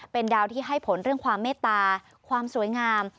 เป็นดาวที่ให้ผลเรื่องความเมตตาความสวยงาม